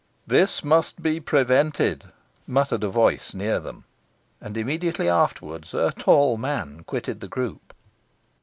"This must be prevented," muttered a voice near them. And immediately afterwards a tall man quitted the group.